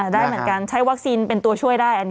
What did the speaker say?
ได้เหมือนกันใช้วัคซีนเป็นตัวช่วยได้